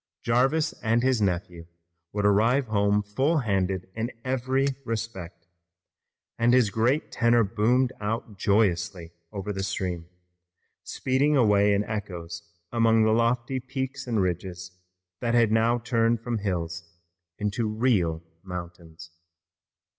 Jarvis and his nephew would arrive home full handed in every respect, and his great tenor boomed out joyously over the stream, speeding away in echoes among the lofty peaks and ridges that had now turned from hills into real mountains.